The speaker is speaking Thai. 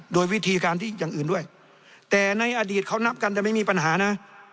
โดยวิธีการที่อย่างอื่นด้วยแต่ในอดีตเขานับกันแต่ไม่มีปัญหานะ